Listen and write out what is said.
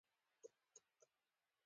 د مينې سترګو خپله ځلا له لاسه ورکړې وه